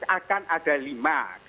akan ada lima